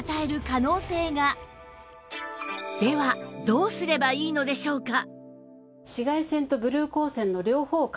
どうすればいいのでしょうか？